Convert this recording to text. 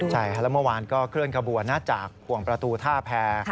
ใช่เมื่อวานก็เคลื่อนกระบวนห้ั่งจากกวงประตูท่าแพร